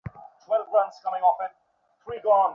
কী দিয়ে দাত মাজছিস?